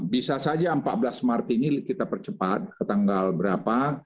bisa saja empat belas maret ini kita percepat ke tanggal berapa